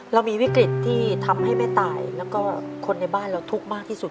เรามีวิกฤตที่ทำให้แม่ตายแล้วก็คนในบ้านเราทุกข์มากที่สุด